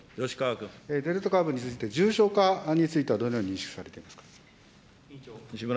デルタ株について、重症化についてはどのように認識していますか。